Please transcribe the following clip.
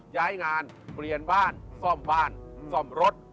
ย้ายงานเปลี่ยนบ้านซ่อมบ้านซ่อมรถ